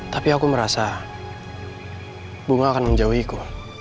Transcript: tapi aku merasa bunga akan menjauhiku